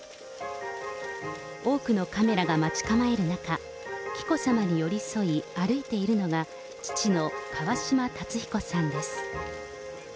多くのカメラが待ち構える中、紀子さまに寄り添い、歩いているのが、父の川嶋辰彦さんです。